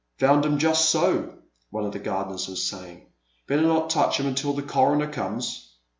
Found *em just so,'* one of the gardeners was saying, better not touch *em until the coroner comes.'